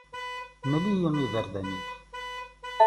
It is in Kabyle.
Mel-iyi iberdan-ik.